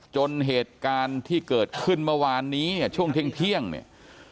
เหตุการณ์ที่เกิดขึ้นเมื่อวานนี้ช่วงเที่ยงเนี่ย